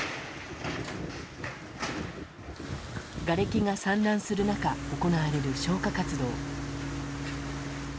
がれきが散乱する中行われる消火活動。